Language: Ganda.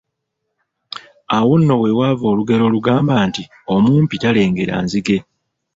Awo nno we wava olugero olugamba nti omumpi talengera nzige.